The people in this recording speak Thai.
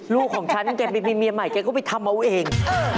ลูกของฉันแกไปมีเมียใหม่แกก็ไปทำเอาไว้เอง